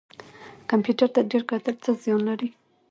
کمپیوټر ته ډیر کتل څه زیان لري؟